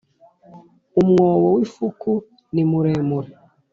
Umwobo wifuku nimuremure.